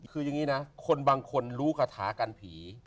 คือยังงี้นะคนบางคนรู้กระทากันผี